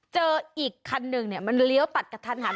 เจออีกคันหนึ่งมันเลี้ยวตัดกระทันหัน